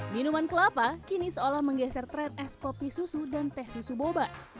minuman kelapa kini seolah menggeser tren es kopi susu dan teh susu boba